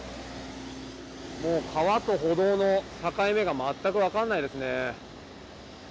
川と歩道の境目が全くわからないですね。